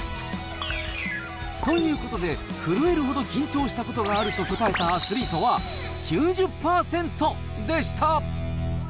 ということで、震えるほど緊張したことがあると答えたアスリートは、９０％でした。